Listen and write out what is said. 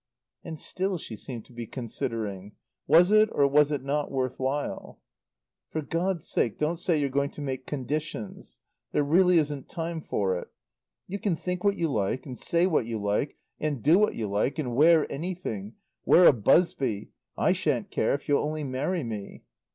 And still she seemed to be considering: Was it or was it not worth while? "For God's sake don't say you're going to make conditions. There really isn't time for it. You can think what you like and say what you like and do what you like, and wear anything wear a busby I shan't care if you'll only marry me."